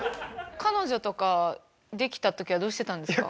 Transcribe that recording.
彼女とかできた時はどうしてたんですか？